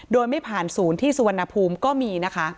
โดยไม่ผ่านศูนย์ที่สุวรรณภูมิก็มีนะคะ